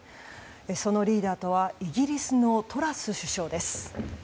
そのリーダーとはイギリスのトラス首相です。